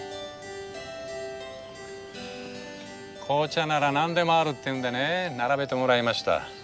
紅茶なら何でもあるっていうんでね並べてもらいました。